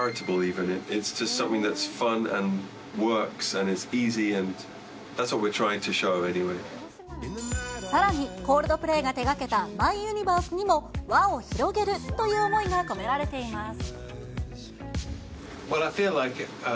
さらに、コールドプレイが手がけたＭｙＵｎｉｖｅｒｓｅにも、輪を広げるという思いが込められています。